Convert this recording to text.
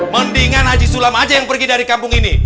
mendingan haji sulam aja yang pergi dari kampung ini